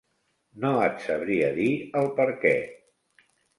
No et sabria dir el perquè.